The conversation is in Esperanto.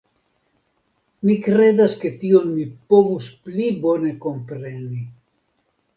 Mi kredas ke tion mi povus pli bone kompreni.